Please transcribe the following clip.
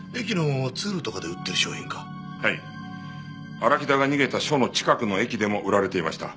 荒木田が逃げた署の近くの駅でも売られていました。